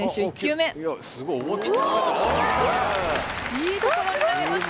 いいところに投げました！